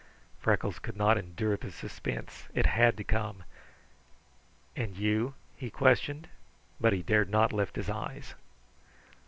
Freckles could not endure the suspense; it had to come. "And you?" he questioned, but he dared not lift his eyes.